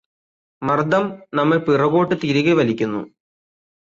മർദ്ദം നമ്മെ പിറകോട്ട് തിരികെ വലിക്കുന്നു